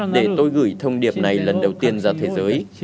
để tôi gửi thông điệp này lần đầu tiên ra thế giới